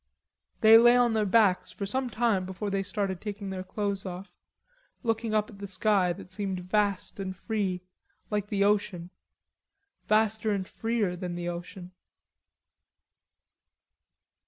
They lay on their backs for some time before they started taking their clothes off, looking up at the sky, that seemed vast and free, like the ocean, vaster and freer than the ocean.